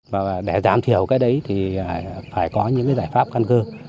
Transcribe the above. và để giảm thiểu cái đấy thì phải có những cái giải pháp căn cơ